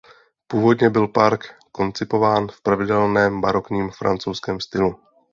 Původně byl park koncipován v pravidelném barokním francouzském stylu.